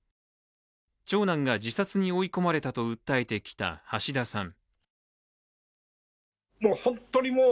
長男が自殺に追い込まれたと訴えてきた橋田さん。